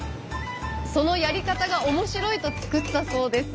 そのやり方が面白いと作ったそうです。